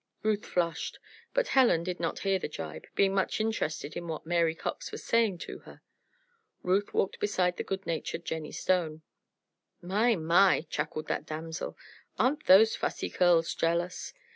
Ruth flushed, but Helen did not hear the gibe, being much interested in what Mary Cox was saying to her. Ruth walked beside the good natured Jennie Stone. "My, my!" chuckled that damsel, "aren't those Fussy Curls jealous?